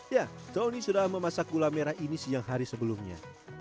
ya tony sudah memasak gula merah ini siang hari sebelumnya